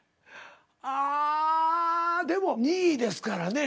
ああでも２位ですからね。